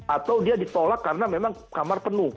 atau dia ditolak karena memang kamar penuh